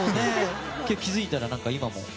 気づいたら今も。